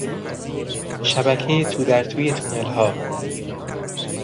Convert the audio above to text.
شبکهی تودرتوی تونل ها